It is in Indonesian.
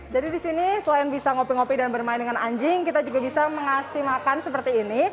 jadi di sini selain bisa ngopi ngopi dan bermain dengan anjing kita juga bisa mengasih makan seperti ini